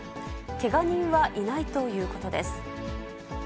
けが人はいないということです。